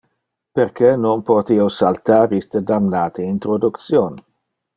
Perque non pote io saltar iste damnate introduction?